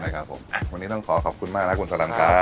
วันนี้ต้องขอขอบคุณมากนะคุณสรังครับ